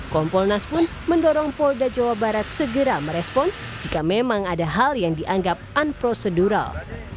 kompolnas pun mendorong polda jawa barat segera merespon jika memang ada hal yang dianggap unprocedural